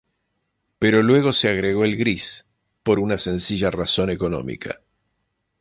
Pero luego se agregó el gris, por una sencilla razón económica.